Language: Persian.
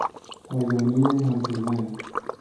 پایانهی همپیوند